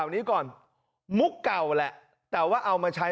นี้ก่อนมุกเก่าแหละแต่ว่าเอามาใช้